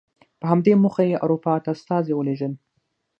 په همدې موخه یې اروپا ته استازي ولېږل.